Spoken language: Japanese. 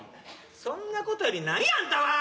そんなことよりなんやあんたは！